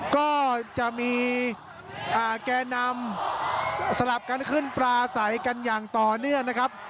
ก็จะมีแก่นำสลับกันขึ้นปลาใสกันอย่างต่อเนื่องนะครับ